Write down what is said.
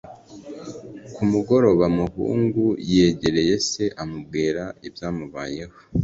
ku mugoroba, mahungu yegereye se, amubwira ibyamubayeho